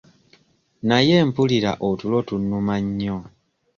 Naye mpulira otulo tunnuma nnyo.